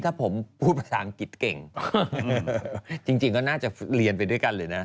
ถ้าผมพูดภาษาอังกฤษเก่งจริงก็น่าจะเรียนไปด้วยกันเลยนะ